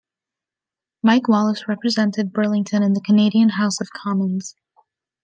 Mike Wallace represented Burlington in the Canadian House of Commons.